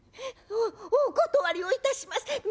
「おお断りをいたします。